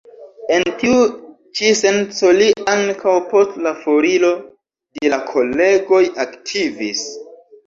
En tiu ĉi senco li ankaŭ post la foriro de la kolegoj aktivis.